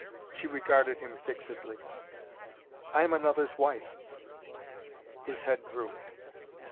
She regarded him fixedly. "I am another's wife " His head drooped.